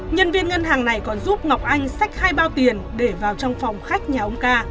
nhân viên ngân hàng này còn giúp ngọc anh sách hai bao tiền để vào trong phòng khách nhà ông ca